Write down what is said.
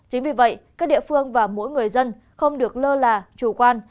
chính vì vậy các địa phương và mỗi người dân không được lơ là chủ quan